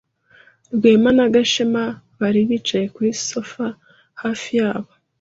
Rwema na Gashema bari bicaye kuri sofa hafi yabo.